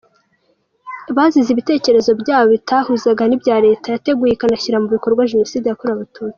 Bazize ibitekerezo byabo bitahuzaga n’ibya leta yateguye ikanashyira mu bikorwa Jenoside yakorewe Abatutsi.